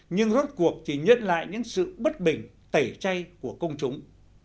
nhưng rốt cuộc thì nhận lại những sự bất bình tẩy chay của công chúng